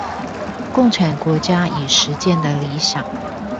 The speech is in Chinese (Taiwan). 共產國家已實踐的理想